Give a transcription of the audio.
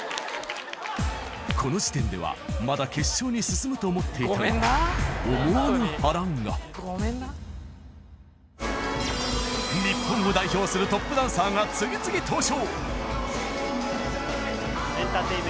この時点ではまだ決勝に進むと思っていたが日本を代表するトップダンサーが次々登場